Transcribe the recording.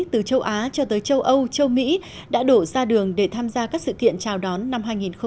từ châu á cho tới châu âu châu mỹ đã đổ ra đường để tham gia các sự kiện chào đón năm hai nghìn một mươi chín